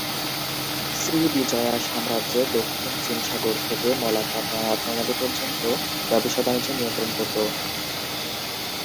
শ্রী বিজয়া সাম্রাজ্যে দক্ষিণ চীন সাগর থেকে মালাক্কা প্রণালী পর্যন্ত ব্যবসা বাণিজ্য নিয়ন্ত্রণ করত।